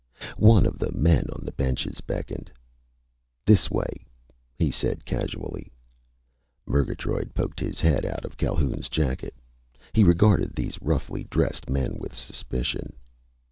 One of the men on the benches beckoned. "This way," he said casually. Murgatroyd poked his head out of Calhoun's jacket. He regarded these roughly dressed men with suspicion.